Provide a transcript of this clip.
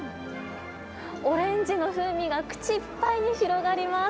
オレンジの風味が口いっぱいに広がります。